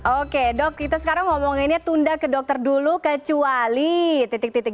oke dok kita sekarang ngomonginnya tunda ke dokter dulu kecuali titik titik